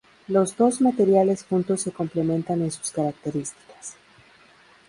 Los dos materiales juntos se complementan en sus características.